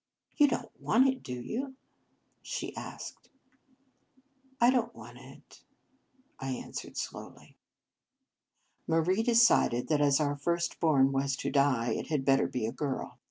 " You don t want it, do you ?" she asked. " I don t want it," I answered slowly. Marie decided that, as our first born was to die, it had better be a girl.